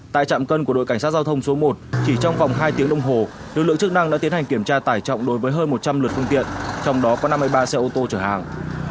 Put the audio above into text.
tại trạm cân của đội cảnh sát giao thông số một chỉ trong vòng hai tiếng đồng hồ lực lượng chức năng đã tiến hành kiểm tra tải trọng đối với hơn một trăm linh lượt phương tiện trong đó có năm mươi ba xe ô tô chở hàng